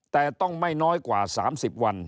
แต่ต้องไม่น้อยกว่า๓๐วัน